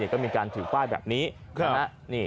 ก็มีการถือป้ายแบบนี้